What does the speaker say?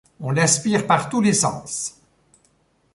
On l’aspire par tous les sens !